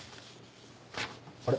あれ？